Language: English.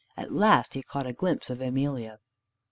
At last he caught a glimpse of Emelia.